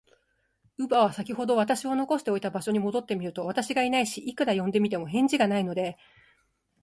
乳母は、さきほど私を残しておいた場所に戻ってみると、私がいないし、いくら呼んでみても、返事がないので、